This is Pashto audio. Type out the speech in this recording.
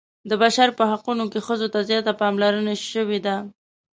د بشر په حقونو کې ښځو ته زیاته پاملرنه شوې ده.